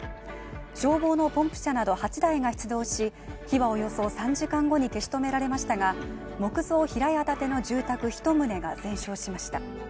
消防のポンプ車など８台が出動し、火はおよそ３時間後に消し止められましたが木造平屋建ての住宅一棟が全焼しました。